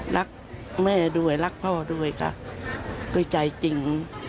รักแม่ด้วยรักพ่อด้วยค่ะด้วยใจจริง